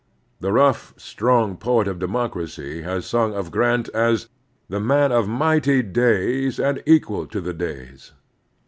The rough, strong poet of democracy has sung of Grant as " the man of mighty days, and equal to the days."